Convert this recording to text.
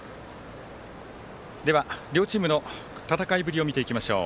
では、両チームの戦いぶりを見ていきましょう。